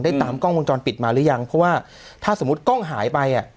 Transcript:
ตามกล้องวงจรปิดมาหรือยังเพราะว่าถ้าสมมุติกล้องหายไปอ่ะ